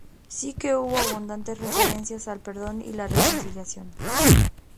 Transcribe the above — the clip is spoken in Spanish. Sí que hubo abundantes referencias al perdón y la reconciliación.